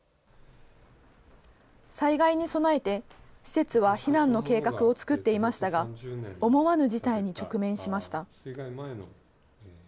災害に備えて、施設は避難の計画を作っていましたが、思わぬ事態に直面しました。